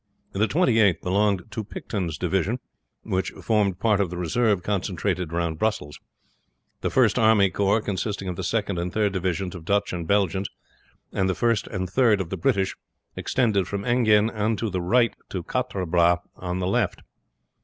The Twenty eighth belonged to Picton's division, which formed part of the reserve concentrated round Brussels. The first army corps, consisting of the second and third divisions of Dutch and Belgians, and the first and third of the British, extended from Enghien on the right to Quatre Bras on the left.